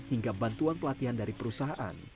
hingga bantuan pelatihan dari perusahaan